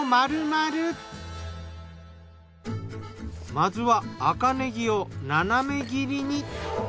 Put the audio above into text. まずは赤ねぎを斜め切りに。